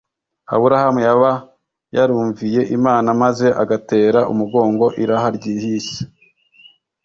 Aburahamu yaba yarumviye Imana maze agatera umugongo iraha ryi yisi